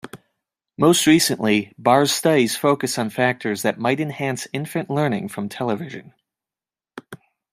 Most recently, Barr's studies focus on factors that might enhance infant learning from television.